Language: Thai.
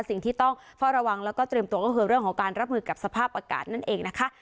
สิ่งที่ต้องเฝ้าระวังแล้วก็เตรียมตัวก็คือเรื่องของการรับมือกับสภาพอากาศนั่นเองนะคะ